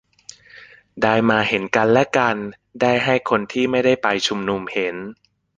ได้มาเห็นกันและกัน ได้ให้คนที่ไม่ได้ไปชุมนุมเห็น